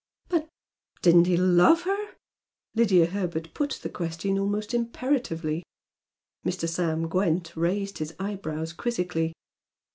"But didn't he LOVE her?" Lydia Herbert put the question almost imperatively. Mr. Sam Gwent raised his eyebrows quizzically.